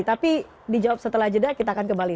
tapi dijawab setelah jeda kita akan kembali